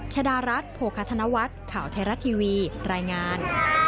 ชดารัฐโภคธนวัฒน์ข่าวไทยรัฐทีวีรายงาน